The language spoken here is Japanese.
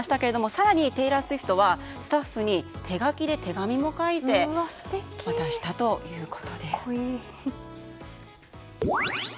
更にテイラー・スウィフトはスタッフに手書きで手紙を書いて渡したということです。